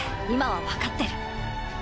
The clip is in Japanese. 今はわかってる。